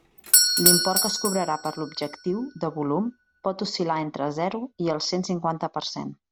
L'import que es cobrarà per l'objectiu de volum pot oscil·lar entre zero i el cent cinquanta per cent.